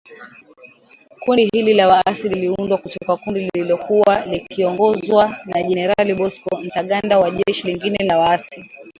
Kundi hili la waasi liliundwa kutoka kundi lililokuwa likiongozwa na Jenerali Bosco Ntaganda wa Jeshi lingine la waasi.